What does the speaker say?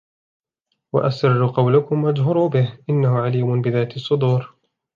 وأسروا قولكم أو اجهروا به إنه عليم بذات الصدور